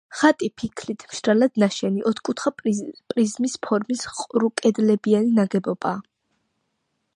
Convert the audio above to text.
ხატი ფიქლით, მშრალად ნაშენი, ოთხკუთხა პრიზმის ფორმის ყრუკედლებიანი ნაგებობაა.